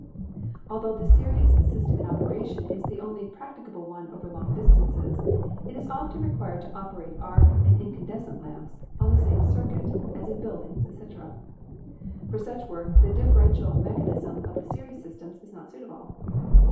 Altho the series system of operation is the only prac ticable one over long distances, it is often required to operate arc and incandescent lamps on the same circuit, as in buildings, etc. For such work the differential mech anism of the series system is not suitable.